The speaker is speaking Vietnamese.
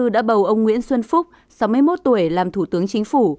đã bầu ông nguyễn xuân phúc sáu mươi một tuổi làm thủ tướng chính phủ